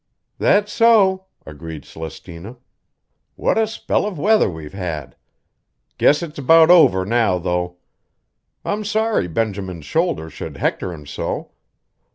"That's so," agreed Celestina. "What a spell of weather we've had! I guess it's about over now, though. I'm sorry Benjamin's shoulders should hector him so.